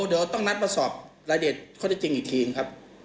เดี๋ยวต้องนัดมาสอบรายละเอียดข้อได้จริงอีกทีครับ